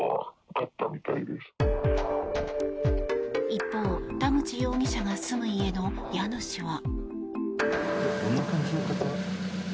一方、田口容疑者が住む家の家主は。